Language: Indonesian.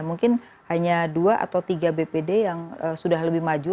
mungkin hanya dua atau tiga bpd yang sudah lebih maju